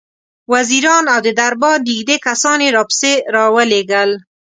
وزیران او د دربار نېږدې کسان یې راپسې را ولېږل.